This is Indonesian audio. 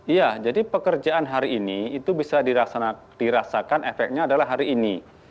iya jadi pekerjaan hari ini itu bisa dirasakan efeknya adalah hari ini